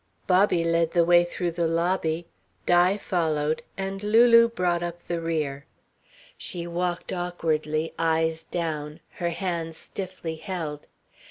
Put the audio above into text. Bobby led the way through the lobby, Di followed, and Lulu brought up the rear. She walked awkwardly, eyes down, her hands stiffly held.